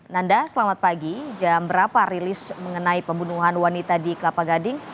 nanda selamat pagi jam berapa rilis mengenai pembunuhan wanita di kelapa gading